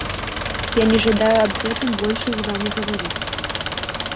Я не жадаю аб гэтым больш з вамі гаварыць.